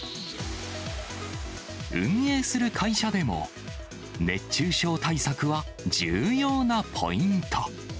運営する会社でも、熱中症対策は重要なポイント。